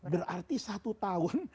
berarti satu tahun